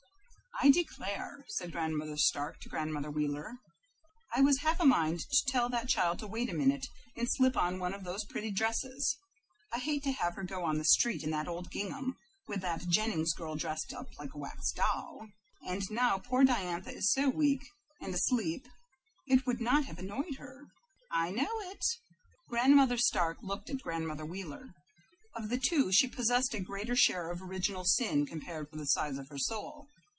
"I declare," said Grandmother Stark to Grandmother Wheeler, "I was half a mind to tell that child to wait a minute and slip on one of those pretty dresses. I hate to have her go on the street in that old gingham, with that Jennings girl dressed up like a wax doll." "I know it." "And now poor Diantha is so weak and asleep it would not have annoyed her." "I know it." Grandmother Stark looked at Grandmother Wheeler. Of the two she possessed a greater share of original sin compared with the size of her soul.